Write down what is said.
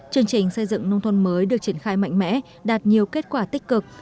chương trình xây dựng nông thôn mới được triển khai mạnh mẽ đạt nhiều kết quả tích cực